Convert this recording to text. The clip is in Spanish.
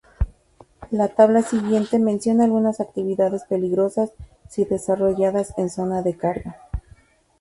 La tabla siguiente menciona algunas actividades peligrosas si desarrolladas en zonas de recarga.